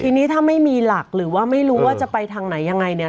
ทีนี้ถ้าไม่มีหลักหรือว่าไม่รู้ว่าจะไปทางไหนยังไงเนี่ย